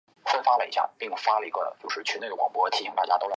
岩上珠为茜草科岩上珠属下的一个种。